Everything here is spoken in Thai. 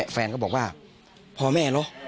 แฟนก็บอกว่าพอแม่หรอ